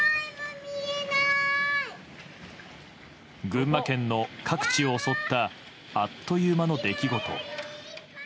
群馬県の各地を襲ったあっという間の出来事。